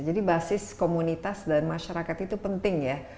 jadi basis komunitas dan masyarakat itu penting ya